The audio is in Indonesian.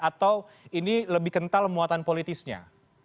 atau ini lebih kental muatan politisnya